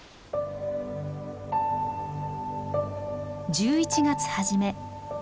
１１月初め。